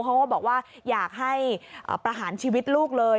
เขาก็บอกว่าอยากให้ประหารชีวิตลูกเลย